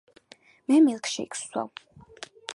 მე მილკშეიკს ვსვამ.